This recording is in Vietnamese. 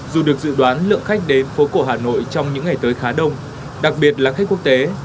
dù được dự đoán lượng khách đến phố cổ hà nội trong những ngày tới khá đông đặc biệt là khách quốc tế